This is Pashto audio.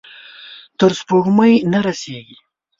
تر سپوږمۍ نه رسیږې